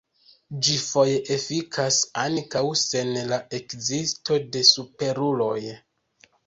Ĝi foje efikas ankaŭ sen la ekzisto de superuloj.